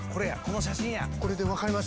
これで分かります？